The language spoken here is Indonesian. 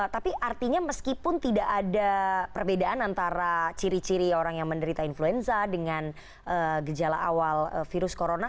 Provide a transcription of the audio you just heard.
tapi artinya meskipun tidak ada perbedaan antara ciri ciri orang yang menderita influenza dengan gejala awal virus corona